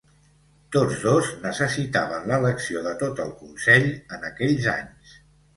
Tots dos necessitaven l"elecció de tot el consell en aquells anys.